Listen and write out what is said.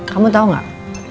kamu tahu gak